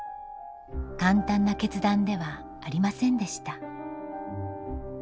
簡単な決断ではありませんでした。